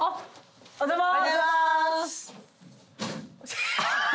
・おはようございます。